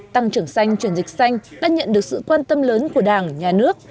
tăng trưởng xanh chuyển dịch xanh đã nhận được sự quan tâm lớn của đảng nhà nước